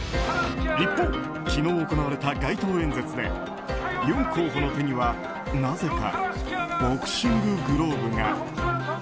一方、昨日行われた街頭演説でユン候補の手にはなぜかボクシンググローブが。